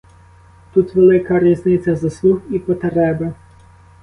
Тут велика різниця заслуг і потреби.